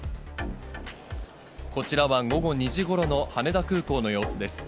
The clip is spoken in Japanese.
こちらは午後２時ごろの羽田空港の様子です。